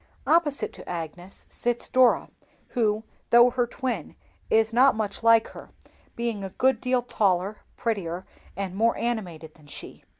Opposite to Agnes sits Dora, who, though her twin, is not much like her, being a good deal taller, prettier, and more animated than she.